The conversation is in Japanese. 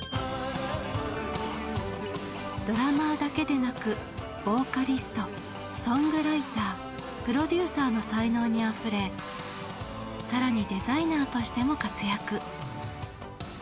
ドラマーだけでなくボーカリストソングライタープロデューサーの才能にあふれ更にデザイナーとしても活躍。